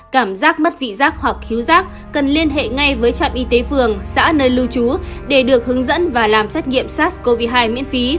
cảm giác mất vị giác hoặc thiếu rác cần liên hệ ngay với trạm y tế phường xã nơi lưu trú để được hướng dẫn và làm xét nghiệm sars cov hai miễn phí